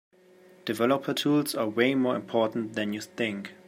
Developer Tools are way more important than you think.